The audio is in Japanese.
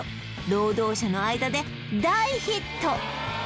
労働者の間で大ヒット！